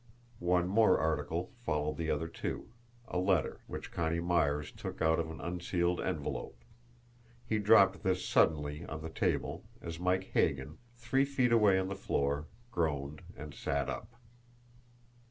One more article followed the other two a letter, which Connie Myers took out of an unsealed envelope. He dropped this suddenly on the table, as Mike Hagan, three feet away on the floor, groaned and sat up.